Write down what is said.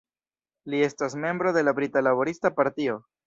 Li estas membro de la Brita Laborista Partio.